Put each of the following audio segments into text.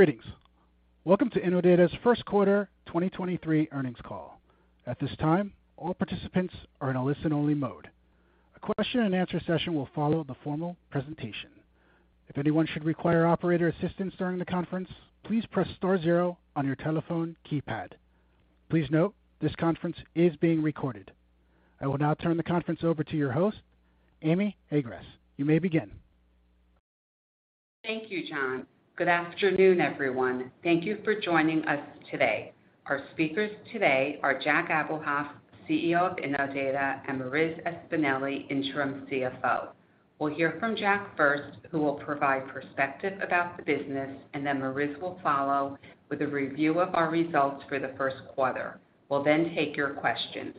Greetings. Welcome to Innodata's First Quarter 2023 Earnings Call. At this time, all participants are in a listen-only mode. A question and answer session will follow the formal presentation. If anyone should require operator assistance during the conference, please press star zero on your telephone keypad. Please note this conference is being recorded. I will now turn the conference over to your host, Amy Agress. You may begin. Thank you, John. Good afternoon, everyone. Thank you for joining us today. Our speakers today are Jack Abuhoff, CEO of Innodata, and Marissa Espineli, interim CFO. We'll hear from Jack first, who will provide perspective about the business, and then Marissa will follow with a review of our results for the first quarter. We'll then take your questions.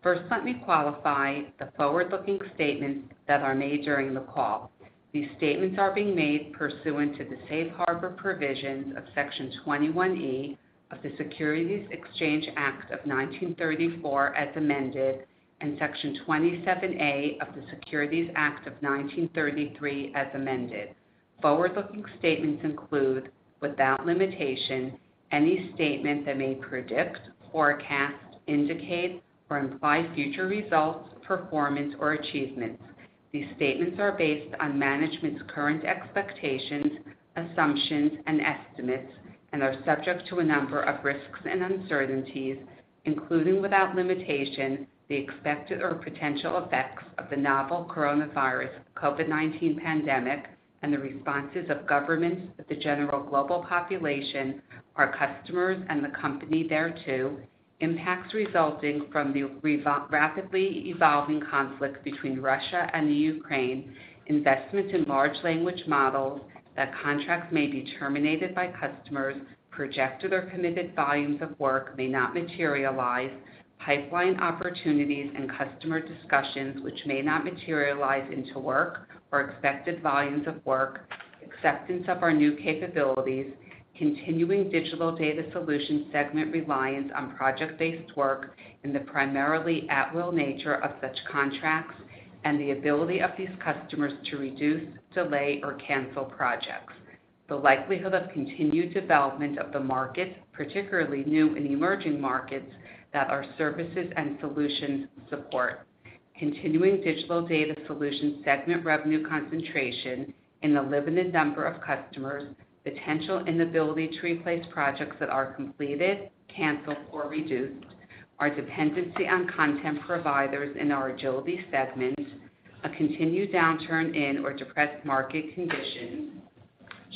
First, let me qualify the forward-looking statements that are made during the call. These statements are being made pursuant to the safe harbor provisions of Section 21E of the Securities Exchange Act of 1934 as amended, and Section 27A of the Securities Act of 1933 as amended. Forward-looking statements include, without limitation, any statement that may predict, forecast, indicate, or imply future results, performance, or achievements. These statements are based on management's current expectations, assumptions, and estimates and are subject to a number of risks and uncertainties, including, without limitation, the expected or potential effects of the novel coronavirus COVID-19 pandemic and the responses of governments of the general global population, our customers and the company thereto. Impacts resulting from the rapidly evolving conflict between Russia and the Ukraine. Investments in large language models. That contracts may be terminated by customers. Projected or committed volumes of work may not materialize. Pipeline opportunities and customer discussions which may not materialize into work or expected volumes of work. Acceptance of our new capabilities. Continuing Digital Data Solutions segment reliance on project-based work and the primarily at-will nature of such contracts and the ability of these customers to reduce, delay, or cancel projects. The likelihood of continued development of the market, particularly new and emerging markets that our services and solutions support. Continuing Digital Data Solutions segment revenue concentration in the limited number of customers. Potential inability to replace projects that are completed, canceled, or reduced. Our dependency on content providers in our Agility segment. A continued downturn in or depressed market conditions.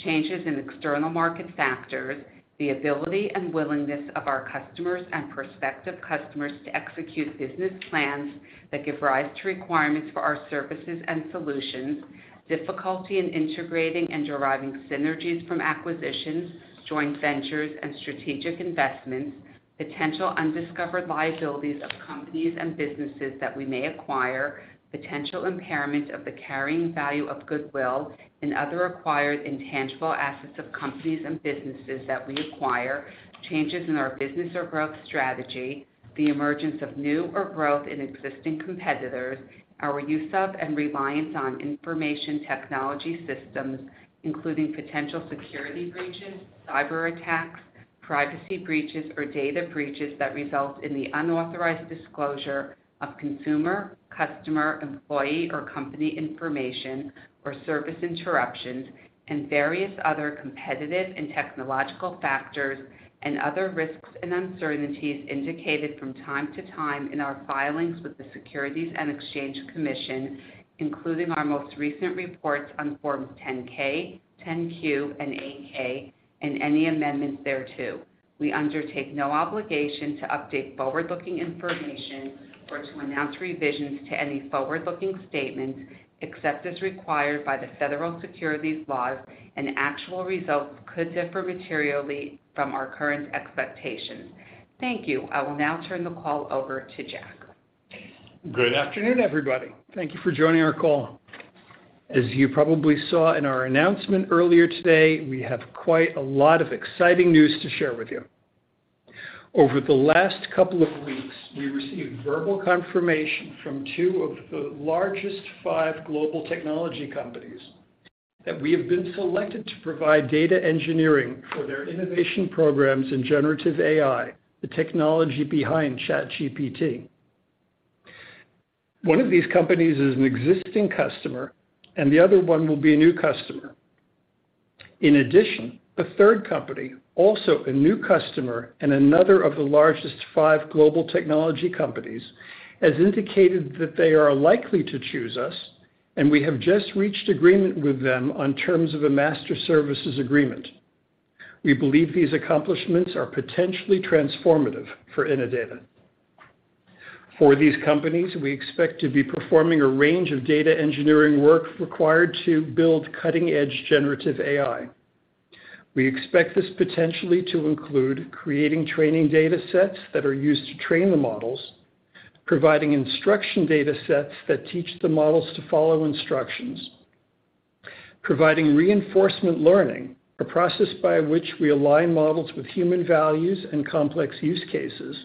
Changes in external market factors. The ability and willingness of our customers and prospective customers to execute business plans that give rise to requirements for our services and solutions. Difficulty in integrating and deriving synergies from acquisitions, joint ventures and strategic investments. Potential undiscovered liabilities of companies and businesses that we may acquire. Potential impairment of the carrying value of goodwill and other acquired intangible assets of companies and businesses that we acquire. Changes in our business or growth strategy. The emergence of new or growth in existing competitors. Our use of and reliance on information technology systems, including potential security breaches, cyber attacks, privacy breaches or data breaches that result in the unauthorized disclosure of consumer, customer, employee or company information or service interruptions, and various other competitive and technological factors and other risks and uncertainties indicated from time to time in our filings with the Securities and Exchange Commission, including our most recent reports on Forms 10-K, 10-Q, and 8-K and any amendments thereto. We undertake no obligation to update forward-looking information or to announce revisions to any forward-looking statements except as required by the Federal Securities laws, and actual results could differ materially from our current expectations. Thank you. I will now turn the call over to Jack. Good afternoon, everybody. Thank you for joining our call. As you probably saw in our announcement earlier today, we have quite a lot of exciting news to share with you. Over the last couple of weeks, we received verbal confirmation from two of the largest five global technology companies that we have been selected to provide data engineering for their innovation programs in Generative AI, the technology behind ChatGPT. One of these companies is an existing customer and the other one will be a new customer. In addition, the third company, also a new customer and another of the largest five global technology companies, has indicated that they are likely to choose us and we have just reached agreement with them on terms of a master services agreement. We believe these accomplishments are potentially transformative for Innodata. For these companies, we expect to be performing a range of data engineering work required to build cutting-edge Generative AI. We expect this potentially to include creating training datasets that are used to train the models, providing instruction datasets that teach the models to follow instructions, providing reinforcement learning, a process by which we align models with human values and complex use cases,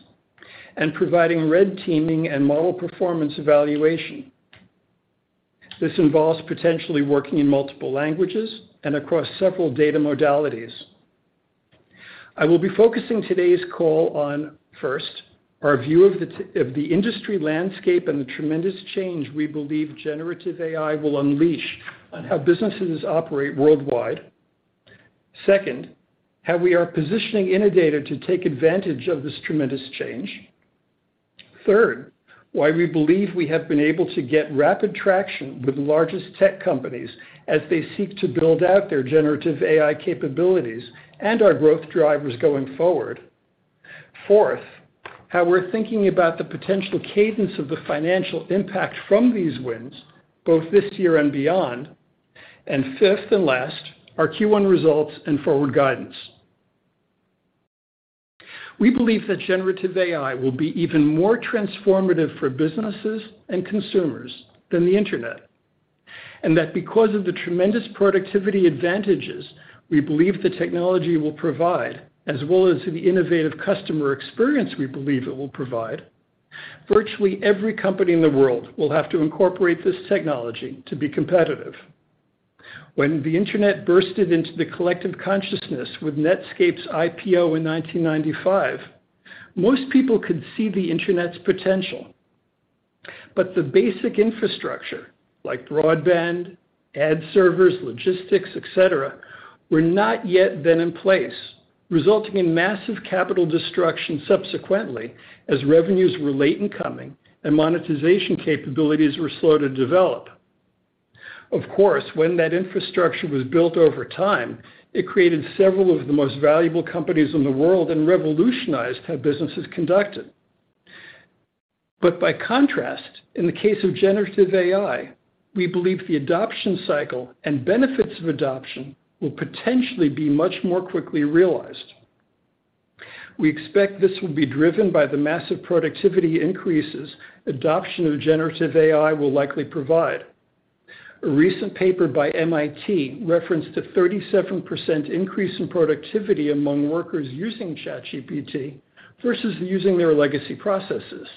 and providing red teaming and model performance evaluation. This involves potentially working in multiple languages and across several data modalities. I will be focusing today's call on, first, our view of the industry landscape and the tremendous change we believe generative AI will unleash on how businesses operate worldwide. Second, how we are positioning Innodata to take advantage of this tremendous change. Third, why we believe we have been able to get rapid traction with the largest tech companies as they seek to build out their Generative AI capabilities and our growth drivers going forward. Fourth, how we're thinking about the potential cadence of the financial impact from these wins, both this year and beyond. Fifth and last, our Q1 results and forward guidance. We believe that Generative AI will be even more transformative for businesses and consumers than the internet, and that because of the tremendous productivity advantages we believe the technology will provide, as well as the innovative customer experience we believe it will provide, virtually every company in the world will have to incorporate this technology to be competitive. When the internet bursted into the collective consciousness with Netscape's IPO in 1995, most people could see the internet's potential. The basic infrastructure, like broadband, ad servers, logistics, et cetera, were not yet then in place, resulting in massive capital destruction subsequently as revenues were late in coming and monetization capabilities were slow to develop. Of course, when that infrastructure was built over time, it created several of the most valuable companies in the world and revolutionized how business is conducted. By contrast, in the case of Generative AI, we believe the adoption cycle and benefits of adoption will potentially be much more quickly realized. We expect this will be driven by the massive productivity increases adoption of Generative AI will likely provide. A recent paper by MIT referenced a 37% increase in productivity among workers using ChatGPT versus using their legacy processes.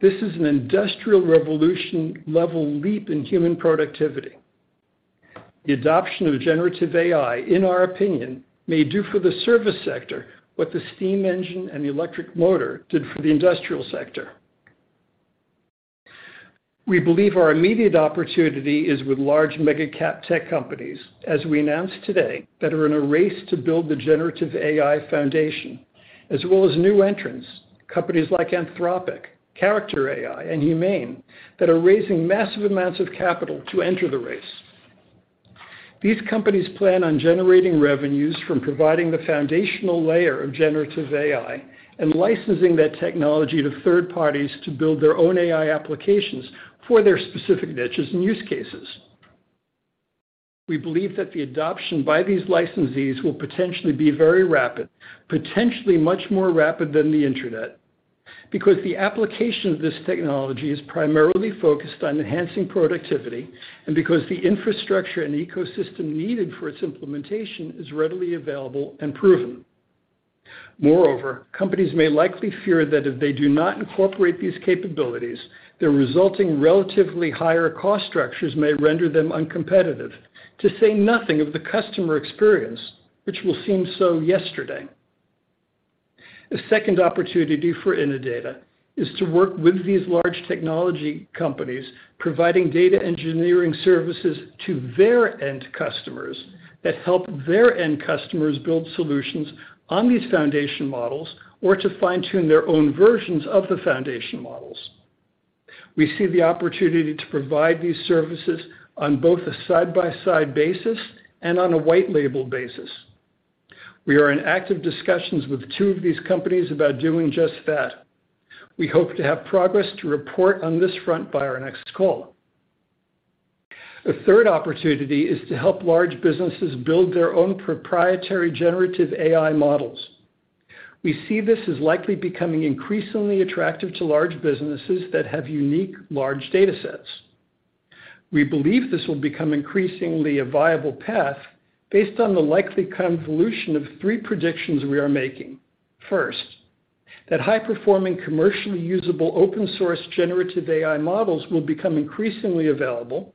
This is an industrial revolution level leap in human productivity. The adoption of Generative AI, in our opinion, may do for the service sector what the steam engine and the electric motor did for the industrial sector. We believe our immediate opportunity is with large mega cap tech companies, as we announced today that are in a race to build the generative AI foundation, as well as new entrants, companies like Anthropic, Character.ai, and Humane, that are raising massive amounts of capital to enter the race. These companies plan on generating revenues from providing the foundational layer of Generative AI and licensing that technology to third parties to build their own AI applications for their specific niches and use cases. We believe that the adoption by these licensees will potentially be very rapid, potentially much more rapid than the internet, because the application of this technology is primarily focused on enhancing productivity, and because the infrastructure and ecosystem needed for its implementation is readily available and proven. Moreover, companies may likely fear that if they do not incorporate these capabilities, their resulting relatively higher cost structures may render them uncompetitive to say nothing of the customer experience, which will seem so yesterday. The second opportunity for Innodata is to work with these large technology companies providing data engineering services to their end customers that help their end customers build solutions on these foundation models or to fine-tune their own versions of the foundation models. We see the opportunity to provide these services on both a side-by-side basis and on a white label basis. We are in active discussions with two of these companies about doing just that. We hope to have progress to report on this front by our next call. A third opportunity is to help large businesses build their own proprietary Generative AI models. We see this as likely becoming increasingly attractive to large businesses that have unique large datasets. We believe this will become increasingly a viable path based on the likely convolution of three predictions we are making. First, that high-performing, commercially usable open source Generative AI models will become increasingly available.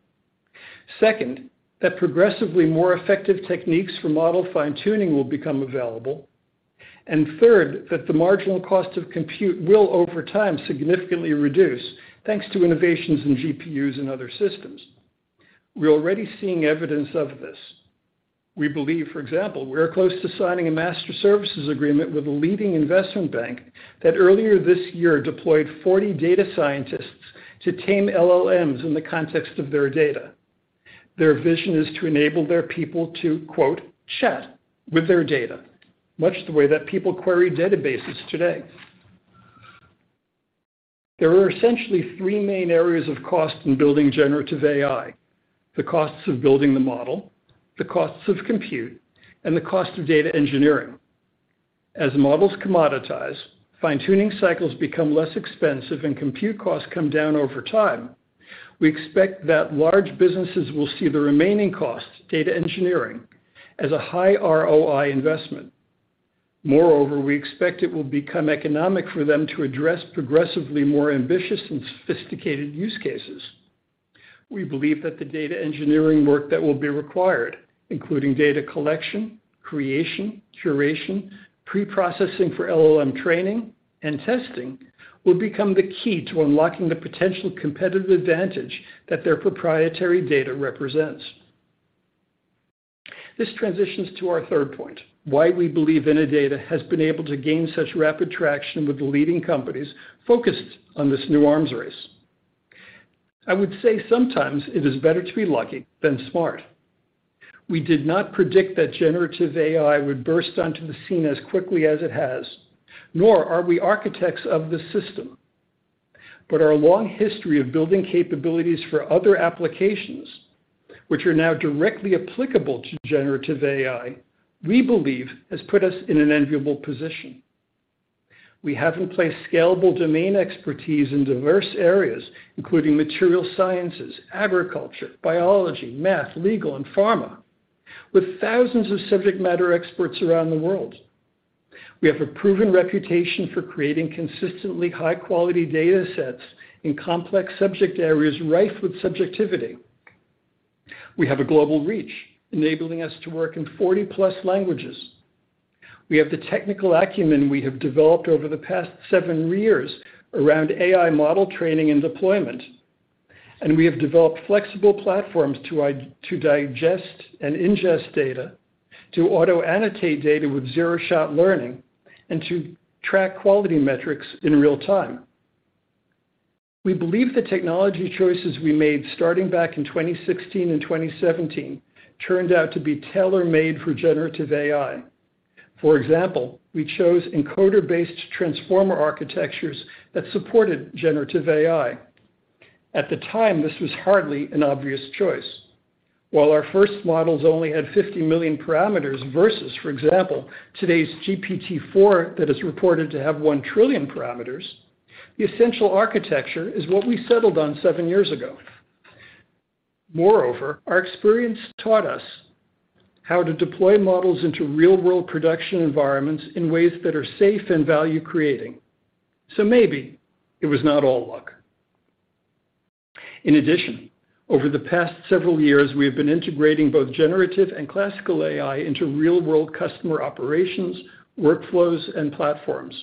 Second, that progressively more effective techniques for model fine-tuning will become available. Third, that the marginal cost of compute will over time significantly reduce, thanks to innovations in GPUs and other systems. We're already seeing evidence of this. We believe, for example, we are close to signing a master services agreement with a leading investment bank that earlier this year deployed 40 data scientists to tame LLMs in the context of their data. Their vision is to enable their people to, quote, chat with their data, much the way that people query databases today. There are essentially three main areas of cost in building Generative AI: the costs of building the model, the costs of compute, and the cost of data engineering. As models commoditize, fine-tuning cycles become less expensive and compute costs come down over time, we expect that large businesses will see the remaining cost, data engineering, as a high ROI investment. Moreover, we expect it will become economic for them to address progressively more ambitious and sophisticated use cases. We believe that the data engineering work that will be required, including data collection, creation, curation, preprocessing for LLM training, and testing, will become the key to unlocking the potential competitive advantage that their proprietary data represents. This transitions to our third point, why we believe Innodata has been able to gain such rapid traction with the leading companies focused on this new arms race. I would say sometimes it is better to be lucky than smart. We did not predict that Generative AI would burst onto the scene as quickly as it has, nor are we architects of the system. Our long history of building capabilities for other applications, which are now directly applicable to Generative AI, we believe has put us in an enviable position. We have in place scalable domain expertise in diverse areas, including material sciences, agriculture, biology, math, legal, and pharma, with thousands of subject matter experts around the world. We have a proven reputation for creating consistently high-quality data sets in complex subject areas rife with subjectivity. We have a global reach, enabling us to work in 40+ languages. We have the technical acumen we have developed over the past seven years around AI model training and deployment, and we have developed flexible platforms to digest and ingest data, to auto-annotate data with zero-shot learning, and to track quality metrics in real time. We believe the technology choices we made starting back in 2016 and 2017 turned out to be tailor-made for Generative AI. For example, we chose encoder-based transformer architectures that supported Generative AI. At the time, this was hardly an obvious choice. While our first models only had 50 million parameters versus, for example, today's GPT-4 that is reported to have 1 trillion parameters, the essential architecture is what we settled on seven years ago. Moreover, our experience taught us how to deploy models into real-world production environments in ways that are safe and value-creating. Maybe it was not all luck. In addition, over the past several years, we have been integrating both generative and classical AI into real-world customer operations, workflows, and platforms.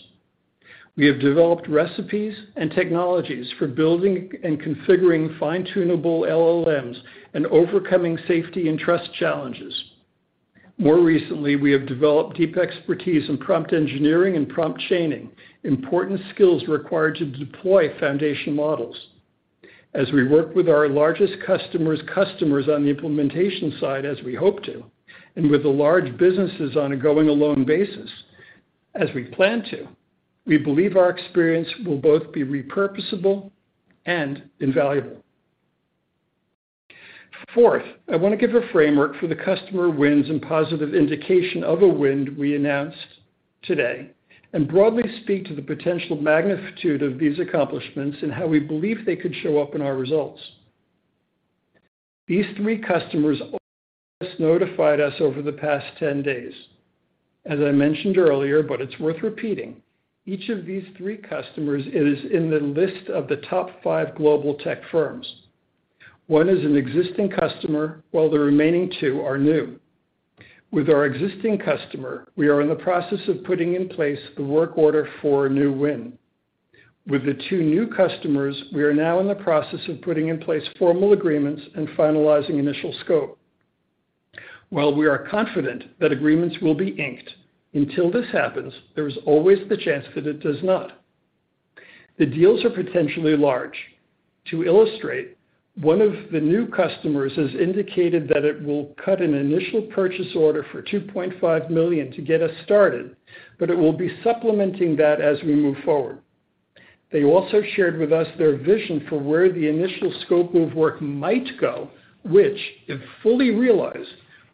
We have developed recipes and technologies for building and configuring fine-tunable LLMs and overcoming safety and trust challenges. More recently, we have developed deep expertise in prompt engineering and prompt chaining, important skills required to deploy foundation models. As we work with our largest customers' customers on the implementation side, as we hope to, and with the large businesses on a going-alone basis, as we plan to, we believe our experience will both be re-purposable and invaluable. Fourth, I want to give a framework for the customer wins and positive indication of a win we announced today and broadly speak to the potential magnitude of these accomplishments and how we believe they could show up in our results. These three customers notified us over the past 10 days. As I mentioned earlier, but it's worth repeating, each of these three customers is in the list of the top five global tech firms. One is an existing customer, while the remaining two are new. With our existing customer, we are in the process of putting in place the work order for a new win. With the two new customers, we are now in the process of putting in place formal agreements and finalizing initial scope. While we are confident that agreements will be inked, until this happens, there is always the chance that it does not. The deals are potentially large. To illustrate, one of the new customers has indicated that it will cut an initial purchase order for $2.5 million to get us started, but it will be supplementing that as we move forward. They also shared with us their vision for where the initial scope of work might go, which, if fully realized,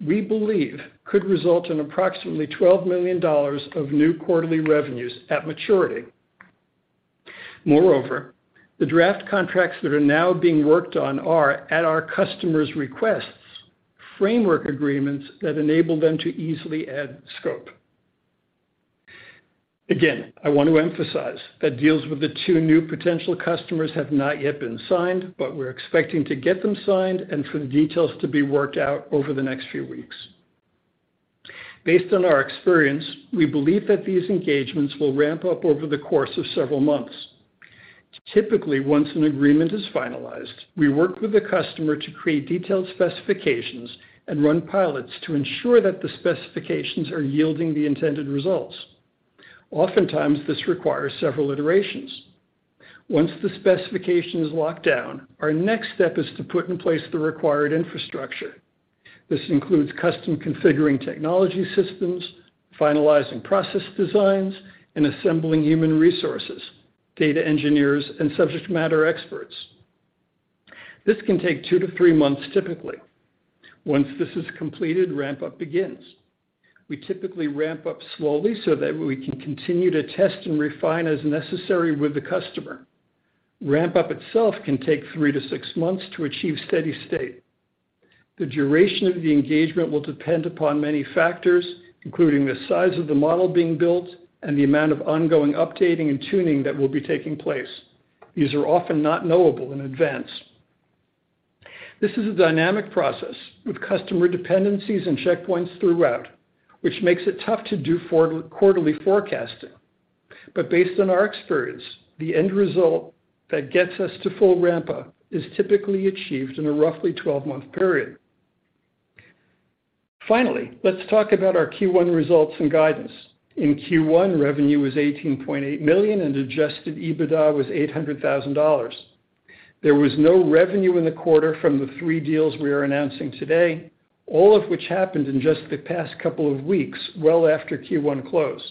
we believe could result in approximately $12 million of new quarterly revenues at maturity. The draft contracts that are now being worked on are, at our customers' requests, framework agreements that enable them to easily add scope. Again, I want to emphasize that deals with the two new potential customers have not yet been signed, but we're expecting to get them signed and for the details to be worked out over the next few weeks. Based on our experience, we believe that these engagements will ramp up over the course of several months. Typically, once an agreement is finalized, we work with the customer to create detailed specifications and run pilots to ensure that the specifications are yielding the intended results. Oftentimes, this requires several iterations. Once the specification is locked down, our next step is to put in place the required infrastructure. This includes custom configuring technology systems, finalizing process designs, and assembling human resources, data engineers, and subject matter experts. This can take two to three months, typically. Once this is completed, ramp-up begins. We typically ramp up slowly so that we can continue to test and refine as necessary with the customer. Ramp-up itself can take three to six months to achieve steady state. The duration of the engagement will depend upon many factors, including the size of the model being built and the amount of ongoing updating and tuning that will be taking place. These are often not knowable in advance. This is a dynamic process with customer dependencies and checkpoints throughout, which makes it tough to do for quarterly forecasting. Based on our experience, the end result that gets us to full ramp up is typically achieved in a roughly 12-month period. Finally, let's talk about our Q1 results and guidance. In Q1, revenue was $18.8 million and adjusted EBITDA was $800,000. There was no revenue in the quarter from the three deals we are announcing today, all of which happened in just the past couple of weeks, well after Q1 closed.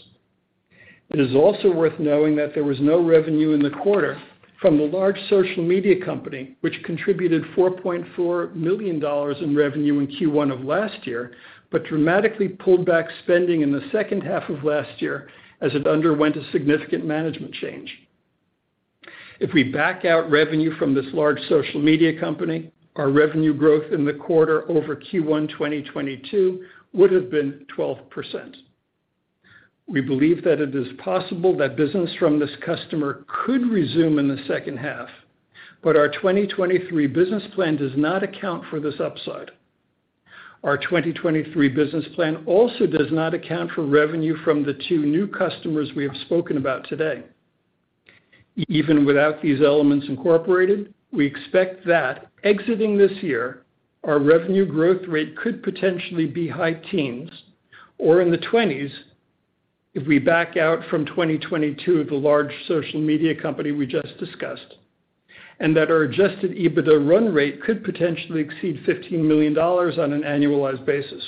It is also worth knowing that there was no revenue in the quarter from the large social media company, which contributed $4.4 million in revenue in Q1 of last year, but dramatically pulled back spending in the second half of last year as it underwent a significant management change. If we back out revenue from this large social media company, our revenue growth in the quarter over Q1 2022 would have been 12%. We believe that it is possible that business from this customer could resume in the second half, but our 2023 business plan does not account for this upside. Our 2023 business plan also does not account for revenue from the two new customers we have spoken about today. Even without these elements incorporated, we expect that exiting this year, our revenue growth rate could potentially be high teens or in the 20s if we back out from 2022, the large social media company we just discussed, and that our adjusted EBITDA run rate could potentially exceed $15 million on an annualized basis.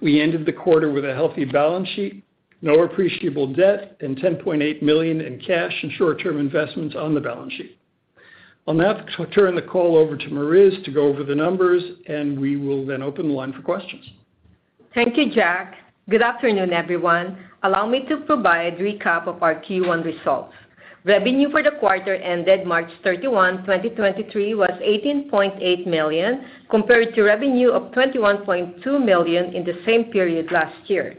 We ended the quarter with a healthy balance sheet, no appreciable debt, and $10.8 million in cash and short-term investments on the balance sheet. On that, I'll turn the call over to Marissa to go over the numbers, and we will then open the line for questions. Thank you, Jack. Good afternoon, everyone. Allow me to provide recap of our Q1 results. Revenue for the quarter ended March 31, 2023 was $18.8 million, compared to revenue of $21.2 million in the same period last year.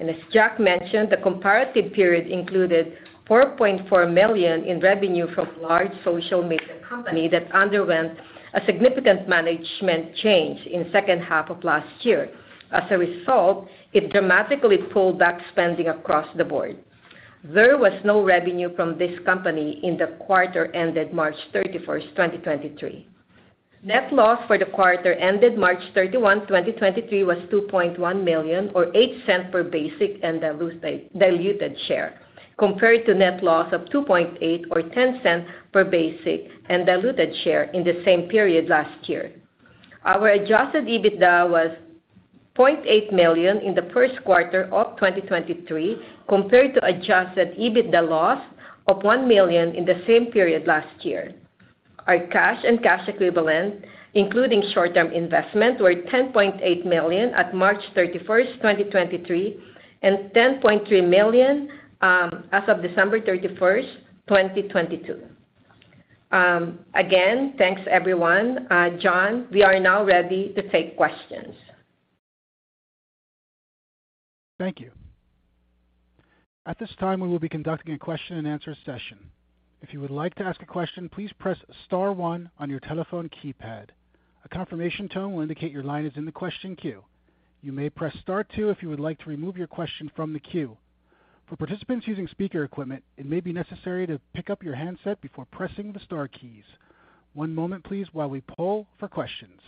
As Jack mentioned, the comparative period included $4.4 million in revenue from large social media company that underwent a significant management change in second half of last year. As a result, it dramatically pulled back spending across the board. There was no revenue from this company in the quarter ended March 31, 2023. Net loss for the quarter ended March 31, 2023 was $2.1 million, or $0.08 per basic and diluted share, compared to net loss of $2.8 million or $0.10 per basic and diluted share in the same period last year. Our adjusted EBITDA was $800,000 in the first quarter of 2023, compared to adjusted EBITDA loss of $1 million in the same period last year. Our cash and cash equivalent, including short-term investment, were $10.8 million at March 31st, 2023, and $10.3 million as of December 31st, 2022. Again, thanks everyone. John, we are now ready to take questions. Thank you. At this time, we will be conducting a question and answer session. If you would like to ask a question, please press star one on your telephone keypad. A confirmation tone will indicate your line is in the question queue. You may press star two if you would like to remove your question from the queue. For participants using speaker equipment, it may be necessary to pick up your handset before pressing the star keys. One moment please while we poll for questions.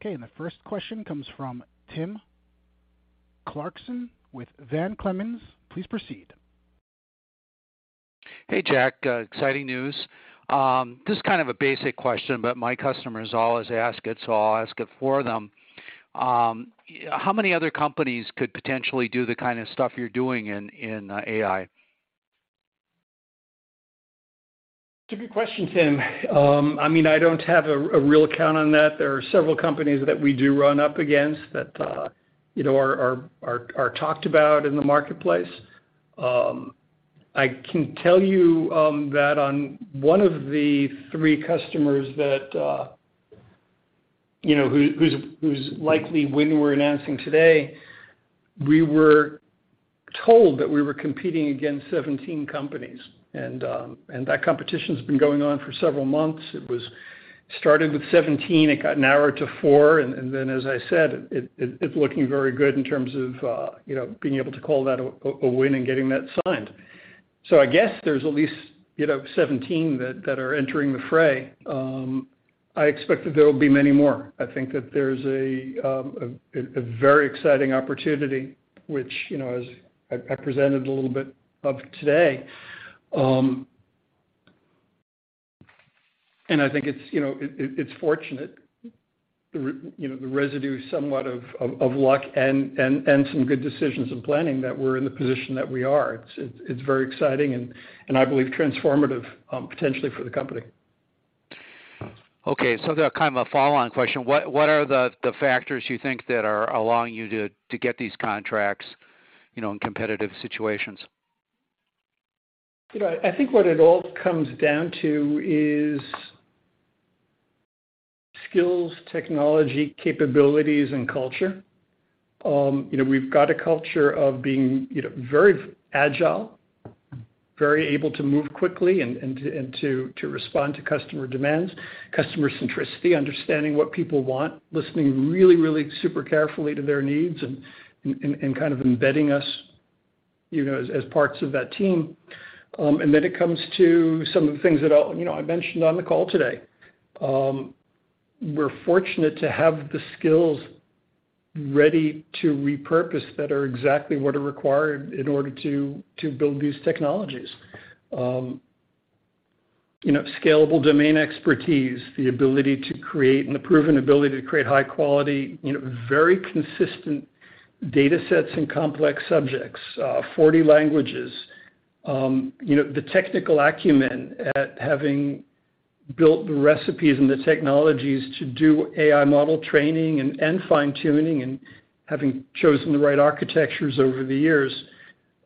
Okay. The first question comes from Tim Clarkson with Van Clemens. Please proceed. Hey, Jack. Exciting news. Just kind of a basic question, but my customers always ask it, so I'll ask it for them. How many other companies could potentially do the kind of stuff you're doing in AI? It's a good question, Tim. I mean, I don't have a real count on that. There are several companies that we do run up against that, you know, are talked about in the marketplace. I can tell you that on one of the three customers that, you know, whose likely win we're announcing today, we were told that we were competing against 17 companies. That competition's been going on for several months. It was started with 17, it got narrowed to four, and then as I said, it's looking very good in terms of, you know, being able to call that a win and getting that signed. I guess there's at least, you know, 17 that are entering the fray. I expect that there will be many more. I think that there's a very exciting opportunity which, you know, as I presented a little bit of today. I think it's, you know, it's fortunate, the residue somewhat of luck and some good decisions and planning that we're in the position that we are. It's very exciting and I believe transformative, potentially for the company. Okay. They're kind of a follow-on question. What are the factors you think that are allowing you to get these contracts, you know, in competitive situations? You know, I think what it all comes down to is skills, technology, capabilities, and culture. You know, we've got a culture of being, you know, very agile, very able to move quickly and to respond to customer demands, customer centricity, understanding what people want, listening really, really super carefully to their needs and kind of embedding us, you know, as parts of that team. Then it comes to some of the things that I, you know, I mentioned on the call today. We're fortunate to have the skills ready to repurpose that are exactly what are required in order to build these technologies. You know, scalable domain expertise, the ability to create and the proven ability to create high quality, you know, very consistent datasets and complex subjects, 40 languages. You know, the technical acumen at having built the recipes and the technologies to do AI model training and fine-tuning and having chosen the right architectures over the years.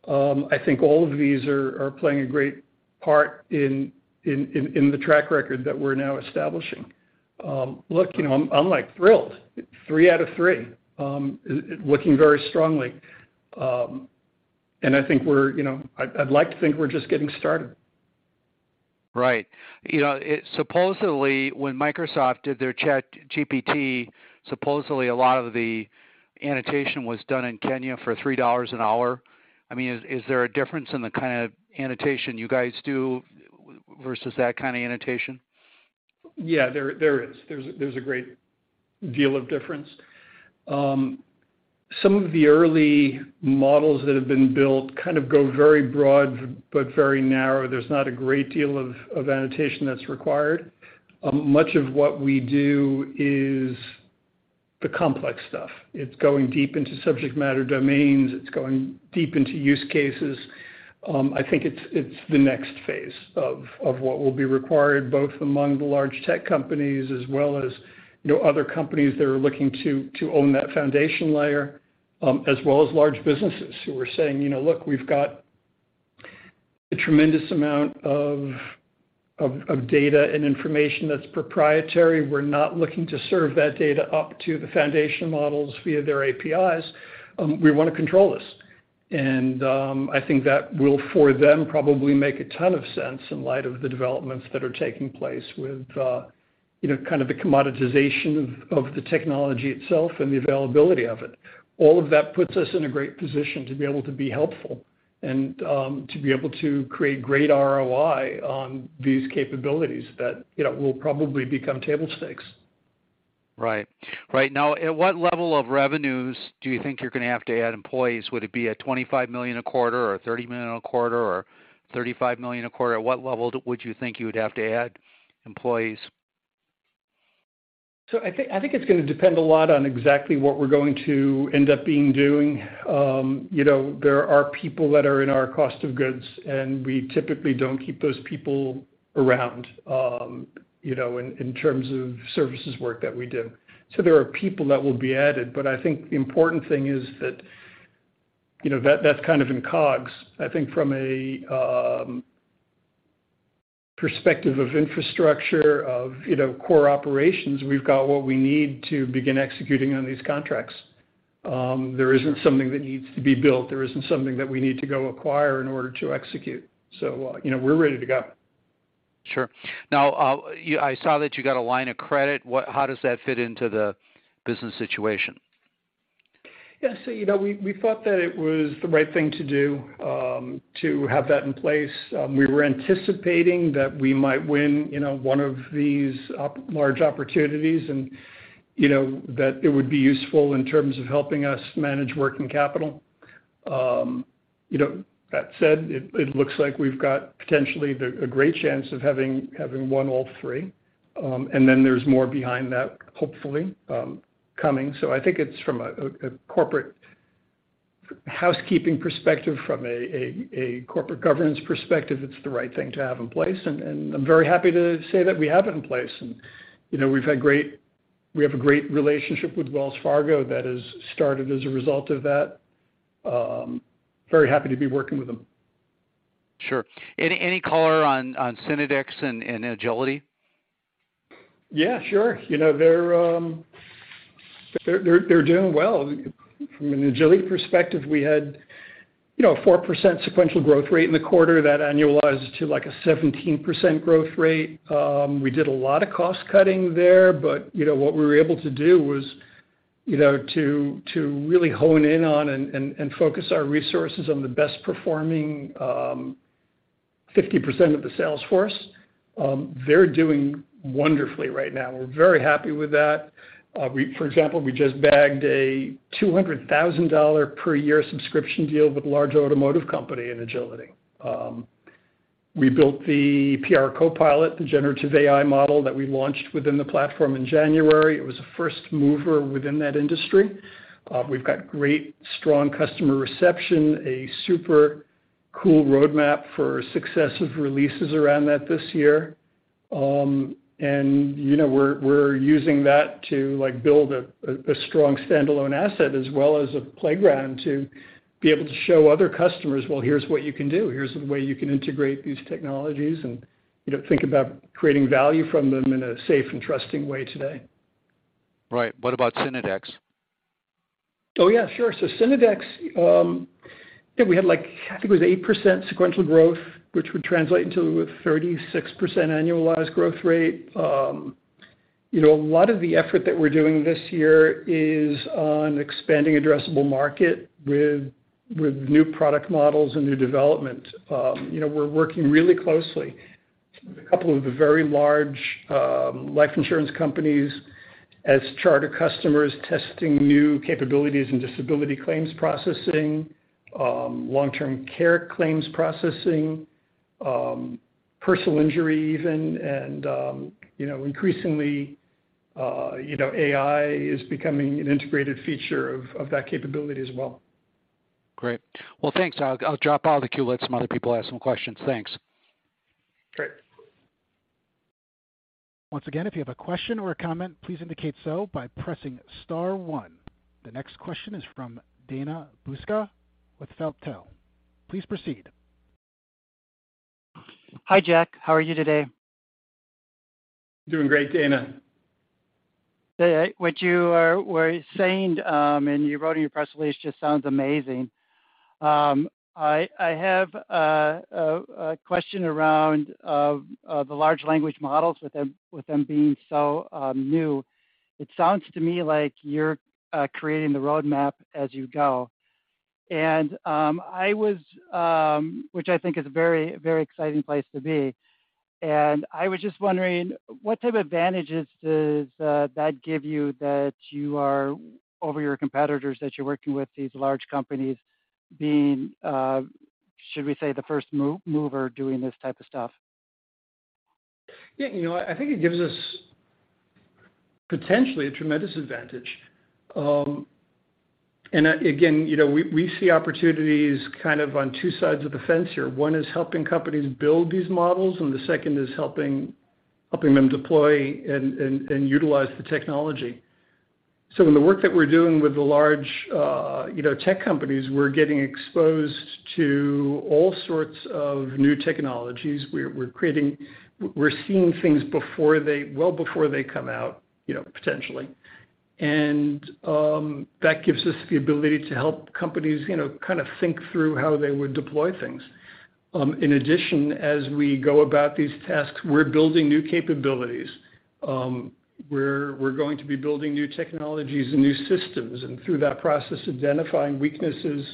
I think all of these are playing a great part in the track record that we're now establishing. Look, you know, I'm like thrilled. Three out of three, looking very strongly. I think we're, you know—I'd like to think we're just getting started. Right. You know, supposedly when Microsoft did their ChatGPT, supposedly a lot of the annotation was done in Kenya for $3 an hour. I mean, is there a difference in the kind of annotation you guys do versus that kind of annotation? Yeah. There is. There's a great deal of difference. Some of the early models that have been built kind of go very broad but very narrow. There's not a great deal of annotation that's required. Much of what we do is the complex stuff. It's going deep into subject matter domains. It's going deep into use cases. I think it's the next phase of what will be required both among the large tech companies as well as, you know, other companies that are looking to own that foundation layer, as well as large businesses who are saying, you know, "Look, we've got a tremendous amount of data and information that's proprietary. We're not looking to serve that data up to the foundation models via their APIs. We wanna control this. I think that will, for them, probably make a ton of sense in light of the developments that are taking place with, you know, kind of the commoditization of the technology itself and the availability of it. All of that puts us in a great position to be able to be helpful and to be able to create great ROI on these capabilities that, you know, will probably become table stakes. Right. Right. Now, at what level of revenues do you think you're gonna have to add employees? Would it be at $25 million a quarter or $30 million a quarter or $35 million a quarter? At what level would you think you would have to add employees? I think, I think it's gonna depend a lot on exactly what we're going to end up being doing. you know, there are people that are in our cost of goods, and we typically don't keep those people around, you know, in terms of services work that we do. There are people that will be added, but I think the important thing is that, you know, that's kind of in COGS. I think from a perspective of infrastructure, of, you know, core operations, we've got what we need to begin executing on these contracts. There isn't something that needs to be built. There isn't something that we need to go acquire in order to execute. you know, we're ready to go. Sure. Now, I saw that you got a line of credit. How does that fit into the business situation? Yeah. You know, we thought that it was the right thing to do to have that in place. We were anticipating that we might win, you know, one of these large opportunities and, you know, that it would be useful in terms of helping us manage working capital. You know, that said, it looks like we've got potentially a great chance of having won all three. Then there's more behind that hopefully coming. I think it's from a corporate housekeeping perspective, from a corporate governance perspective, it's the right thing to have in place. I'm very happy to say that we have it in place. You know, we have a great relationship with Wells Fargo that has started as a result of that. Very happy to be working with them. Sure. Any color on Synodex and Agility? Yeah, sure. You know, they're doing well. From an Agility perspective, we had, you know, a 4% sequential growth rate in the quarter that annualized to, like, a 17% growth rate. We did a lot of cost-cutting there, you know, what we were able to do was, you know, to really hone in on and focus our resources on the best performing 50% of the sales force. They're doing wonderfully right now. We're very happy with that. For example, we just bagged a $200,000 per year subscription deal with a large automotive company in Agility. We built the PR Copilot, the Generative AI model that we launched within the platform in January. It was a first mover within that industry. We've got great, strong customer reception, a super-cool roadmap for successive releases around that this year. You know, we're using that to, like, build a strong standalone asset as well as a playground to be able to show other customers, well, here's what you can do. Here's a way you can integrate these technologies and, you know, think about creating value from them in a safe and trusting way today. Right. What about Synodex? Oh, yeah. Sure. Synodex, yeah, we had, like, I think it was 8% sequential growth, which would translate into a 36% annualized growth rate. You know, a lot of the effort that we're doing this year is on expanding addressable market with new product models and new development. You know, we're working really closely with a couple of the very large, life insurance companies as charter customers, testing new capabilities and disability claims processing, long-term care claims processing, personal injury even. You know, increasingly, you know, AI is becoming an integrated feature of that capability as well. Great. Well, thanks. I'll drop out of the queue, let some other people ask some questions. Thanks. Great. Once again, if you have a question or a comment, please indicate so by pressing star one. The next question is from Dana Buska with Feltl. Please proceed. Hi, Jack. How are you today? Doing great, Dana. Hey. What you were saying, and you wrote in your press release just sounds amazing. I have a question around the large language models with them being so new. It sounds to me like you're creating the roadmap as you go. I was—which I think is a very, very exciting place to be. I was just wondering, what type of advantages does that give you that you are over your competitors, that you're working with these large companies being, should we say, the first mover doing this type of stuff? Yeah. You know, I think it gives us potentially a tremendous advantage. Again, you know, we see opportunities kind of on two sides of the fence here. One is helping companies build these models, and the second is helping them deploy and utilize the technology. In the work that we're doing with the large, you know, tech companies, we're getting exposed to all sorts of new technologies. We're seeing things well before they come out, you know, potentially. That gives us the ability to help companies, you know, kind of think through how they would deploy things. In addition, as we go about these tasks, we're building new capabilities. We're going to be building new technologies and new systems, and through that process, identifying weaknesses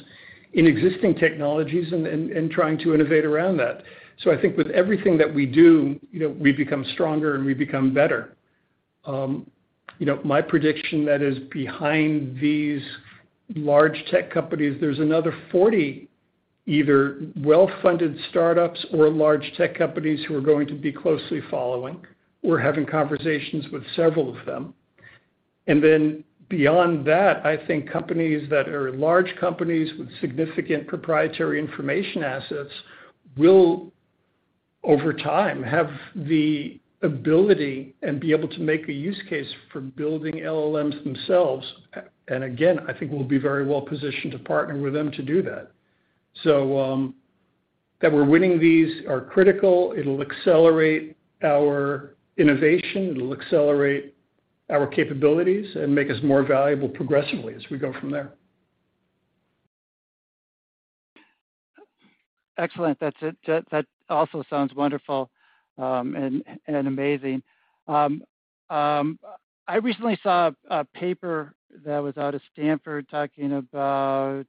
in existing technologies and trying to innovate around that. I think with everything that we do, you know, we become stronger and we become better. You know, my prediction that is behind these large tech companies, there's another 40 either well-funded startups or large tech companies who are going to be closely following. We're having conversations with several of them. Then beyond that, I think companies that are large companies with significant proprietary information assets will over time have the ability and be able to make a use case for building LLMs themselves. And again, I think we'll be very well positioned to partner with them to do that. That we're winning these are critical. It'll accelerate our innovation, it'll accelerate our capabilities and make us more valuable progressively as we go from there. Excellent. That's it. That also sounds wonderful and amazing. I recently saw a paper that was out of Stanford talking about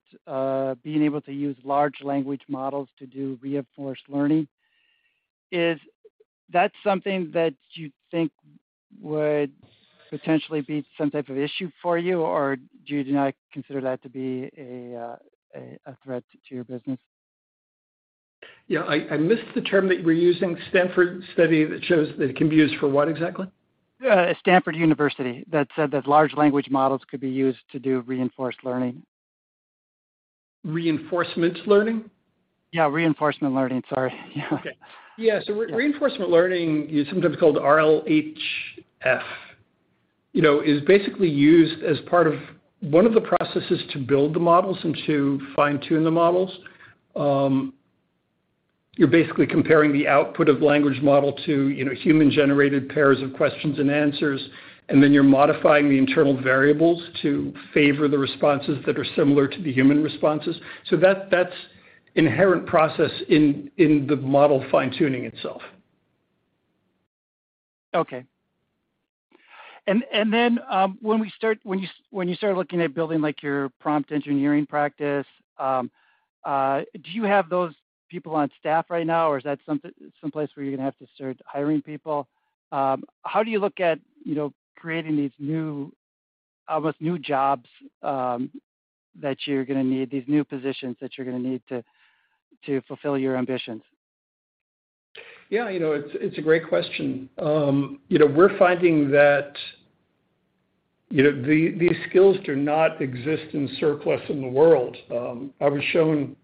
being able to use large language models to do reinforcement learning. Is that something that you think would potentially be some type of issue for you, or do you not consider that to be a threat to your business? Yeah. I missed the term that you were using. Stanford study that shows that it can be used for what exactly? Stanford University that said that large language models could be used to do reinforcement learning. Reinforcement learning? Yeah, reinforcement learning. Sorry. Yeah. Okay. Yeah. Yeah. Reinforcement learning is sometimes called RLHF. You know, is basically used as part of one of the processes to build the models and to fine-tune the models. You're basically comparing the output of language model to, you know, human-generated pairs of questions and answers, and then you're modifying the internal variables to favor the responses that are similar to the human responses. That, that's inherent process in the model fine-tuning itself. Okay. When you start looking at building like your prompt engineering practice, do you have those people on staff right now or is that some place where you're gonna have to start hiring people? How do you look at, you know, creating these new, almost new jobs, that you're gonna need, these new positions that you're gonna need to fulfill your ambitions? Yeah, you know, it's a great question. you know, we're finding that, you know, these skills do not exist in surplus in the world. I was shown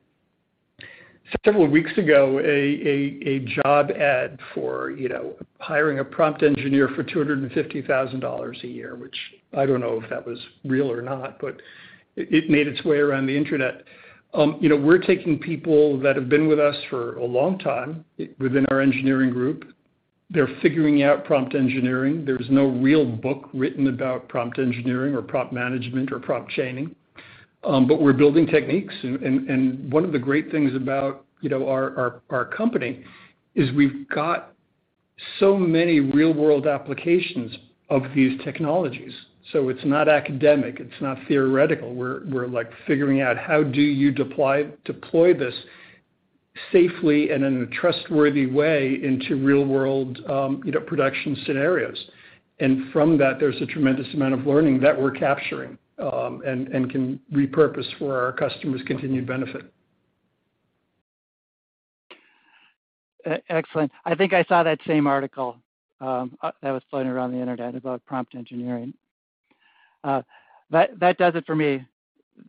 several weeks ago a job ad for, you know, hiring a prompt engineer for $250,000 a year, which I don't know if that was real or not, but it made its way around the internet. you know, we're taking people that have been with us for a long time within our engineering group. They're figuring out prompt engineering. There's no real book written about prompt engineering or prompt management or prompt chaining. We’re building techniques and one of the great things about, you know, our company is we've got so many real-world applications of these technologies, so it's not academic, it's not theoretical. We're, like, figuring out how do you deploy this safely and in a trustworthy way into real-world, you know, production scenarios. From that, there's a tremendous amount of learning that we're capturing, and can repurpose for our customers' continued benefit. Excellent. I think I saw that same article that was floating around the internet about prompt engineering. That does it for me.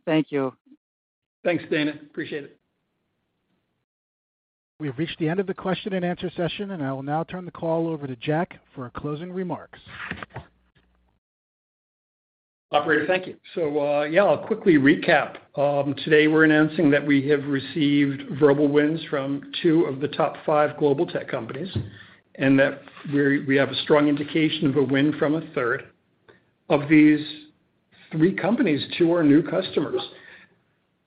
Thank you. Thanks, Dana. Appreciate it. We have reached the end of the question and answer session, and I will now turn the call over to Jack for closing remarks. Operator, thank you. Yeah, I'll quickly recap. Today we're announcing that we have received verbal wins from two of the top five global tech companies, and that we have a strong indication of a win from a third. Of these three companies, two are new customers.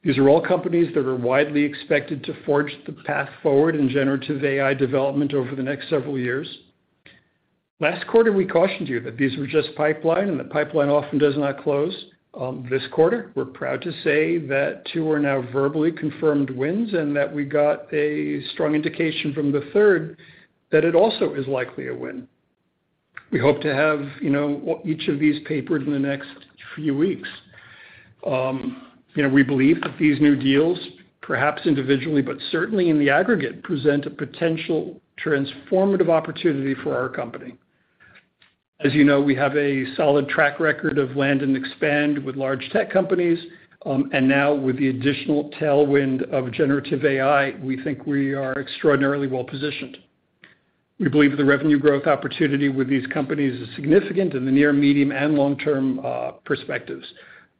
These are all companies that are widely expected to forge the path forward in generative AI development over the next several years. Last quarter, we cautioned you that these were just pipeline, and the pipeline often does not close. This quarter, we're proud to say that two are now verbally confirmed wins, and that we got a strong indication from the third that it also is likely a win. We hope to have, you know, each of these papered in the next few weeks. You know, we believe that these new deals, perhaps individually, but certainly in the aggregate, present a potential transformative opportunity for our company. As you know, we have a solid track record of land and expand with large tech companies. Now with the additional tailwind of Generative AI, we think we are extraordinarily well-positioned. We believe the revenue growth opportunity with these companies is significant in the near, medium, and long-term perspectives.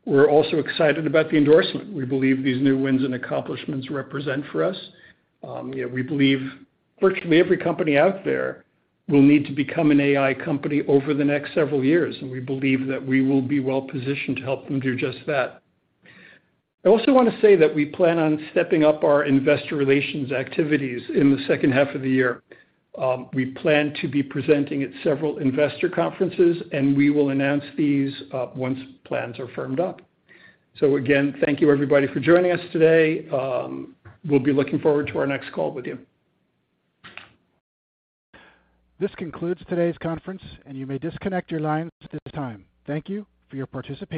We're also excited about the endorsement we believe these new wins and accomplishments represent for us. You know, we believe virtually every company out there will need to become an AI company over the next several years, and we believe that we will be well-positioned to help them do just that. I also wanna say that we plan on stepping up our investor relations activities in the second half of the year. We plan to be presenting at several investor conferences. We will announce these once plans are firmed up. Again, thank you everybody for joining us today. We'll be looking forward to our next call with you. This concludes today's conference, and you may disconnect your lines at this time. Thank you for your participation.